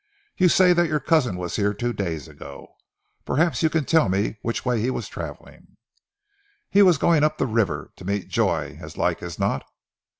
You say that your cousin was here two days ago; perhaps you can tell me which way he was travelling?" "He was going up the river to meet Joy as like as not!"